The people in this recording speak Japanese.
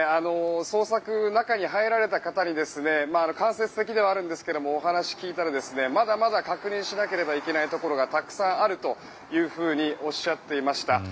捜索、中に入られた方に間接的ではあるんですがお話を聞いたらまだまだ確認しなければいけないところがたくさんあるとおっしゃっていました。